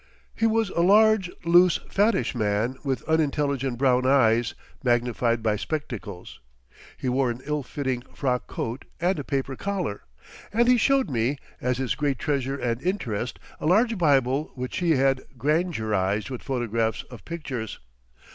He was a large, loose, fattish man with unintelligent brown eyes magnified by spectacles; he wore an ill fitting frock coat and a paper collar, and he showed me, as his great treasure and interest, a large Bible which he had grangerised with photographs of pictures.